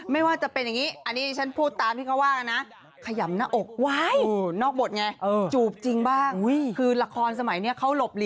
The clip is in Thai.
ไม่ว่าจะเป็นอย่างนี้อันนี้ฉันพูดตามที่เขาว่ากันนะ